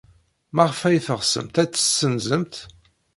Maɣef ay teɣsemt ad tt-tessenzemt?